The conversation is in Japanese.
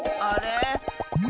あれ？